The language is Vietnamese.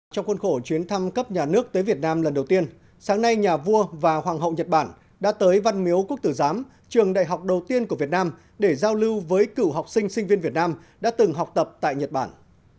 trong khuôn khổ chuyến thăm cấp nhà nước tới việt nam lần đầu tiên sáng nay nhà vua và hoàng hậu nhật bản đã tới văn miếu quốc tử giám trường đại học đầu tiên của việt nam để giao lưu với cựu học sinh sinh viên việt nam đã từng học tập tại nhật bản